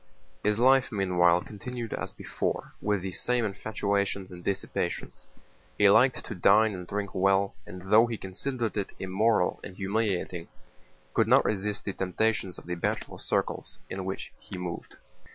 His life meanwhile continued as before, with the same infatuations and dissipations. He liked to dine and drink well, and though he considered it immoral and humiliating could not resist the temptations of the bachelor circles in which he moved.